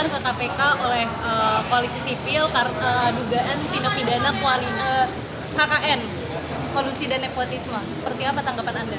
seperti apa tanggapan anda